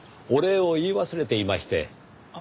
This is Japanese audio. お礼を言い忘れていまして。